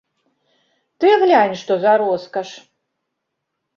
Ты глянь, што за роскаш.